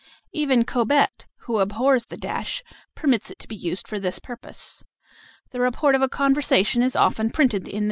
Even Cobbett, who abhors the dash, permits it to be used for this purpose. The report of a conversation is often printed in this way.